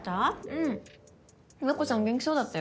うん洋子さん元気そうだったよ。